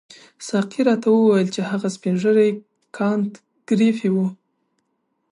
ساقي راته وویل چې هغه سپین ږیری کانت ګریفي وو.